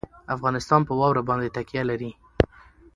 افغانستان په واوره باندې تکیه لري.